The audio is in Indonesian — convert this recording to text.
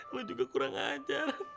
lo juga kurang ajar